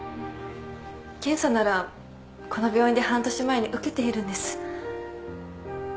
検査ならこの病院で半年前に受けているんです。